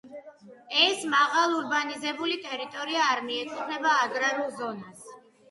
ეს მაღალურბანიზებული ტერიტორია არ მიეკუთვნება აგრარულ ზონას.